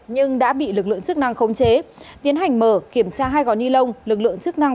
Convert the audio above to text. nhưng đã bị lực lượng chức năng khống chế tiến hành mở kiểm tra hai gói ni lông lực lượng chức năng